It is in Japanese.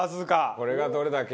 これがどれだけ。